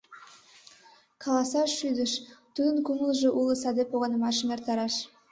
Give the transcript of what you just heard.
Каласаш шӱдыш, тудын кумылжо уло саде погынымашым эртараш».